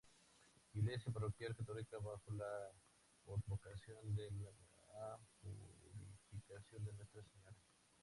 Iglesia parroquial católica bajo la advocación de la Purificación de Nuestra Señora.